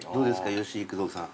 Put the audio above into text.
吉幾三さん。